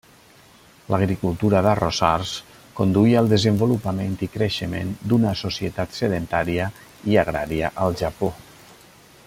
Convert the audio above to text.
L'agricultura d'arrossars conduí al desenvolupament i creixement d'una societat sedentària i agrària al Japó.